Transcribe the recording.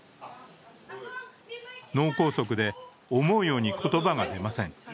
脳梗塞で思うように言葉が出ません。